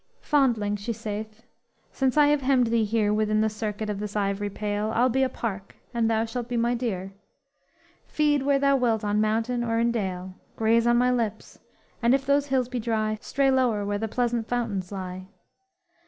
_ _"'Fondling,' she saith, 'since I have hemmed thee here, Within the circuit of this ivory pale, I'll be a park, and thou shalt be my deer; Feed where thou wilt on mountain or in dale; Graze on my lips; and if those hills be dry, Stray lower where the pleasant fountains lie.